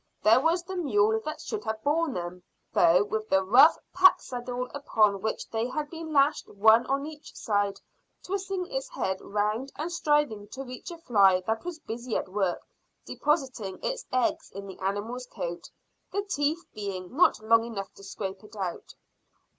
There was the mule that should have borne them, though, with the rough pack saddle upon which they had been lashed one on each side, twisting its head round and striving to reach a fly that was busy at work depositing its eggs in the animal's coat, the teeth being not long enough to scrape it out.